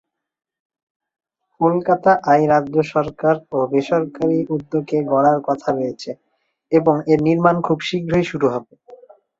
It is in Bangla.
কলকাতা আই রাজ্য সরকার ও বেসরকারি উদ্যোগে গড়ার কথা রয়েছে এবং এর নির্মাণ খুব শীঘ্রই শুরু হবে।